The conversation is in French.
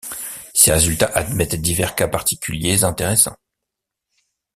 Ces résultats admettent divers cas particuliers intéressants.